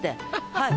はい。